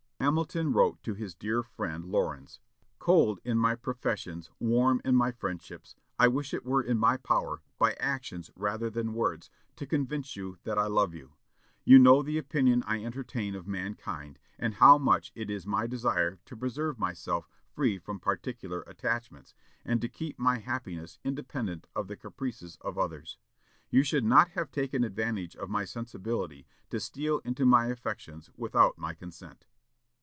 Hamilton wrote to his dear friend Laurens, "Cold in my professions warm in my friendships I wish it were in my power, by actions rather than words, to convince you that I love you.... You know the opinion I entertain of mankind, and how much it is my desire to preserve myself free from particular attachments, and to keep my happiness independent of the caprices of others. You should not have taken advantage of my sensibility to steal into my affections without my consent."